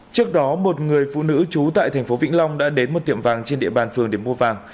trước đó một người phụ nữ trú tại thành phố vĩnh long đã đến một tiệm vàng trên địa bàn phường để mua vàng